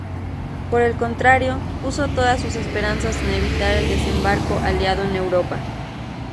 Por el contrario, puso todas sus esperanzas en evitar el desembarco aliado en Europa.